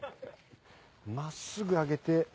真っすぐ上げて。